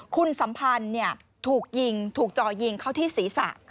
คุณสัมพันธ์ถูกยิงถูกจ่อยิงเข้าที่ศีรษะ